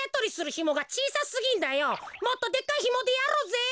もっとでっかいひもでやろうぜ！